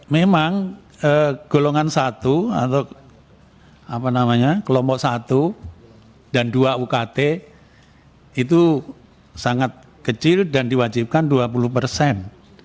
memang golongan satu atau kelompok satu dan dua ukt itu sangat kecil dan diwajibkan dua puluh persen